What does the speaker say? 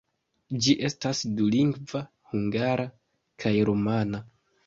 Ĝi estas dulingva: hungara kaj rumana.